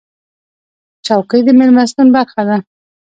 چوکۍ د میلمستون برخه ده.